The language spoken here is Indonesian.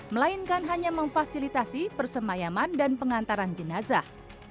melainkan hanya memfasilitasi persemayaman dan pengantaran jenazah